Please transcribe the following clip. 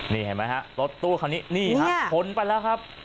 นี่เห็นมั้ยฮะตู้เขานี่นี่ฮะชนไปแล้วครับ